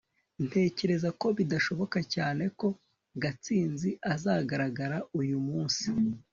ntekereza ko bidashoboka cyane ko gatsinzi azagaragara uyu munsi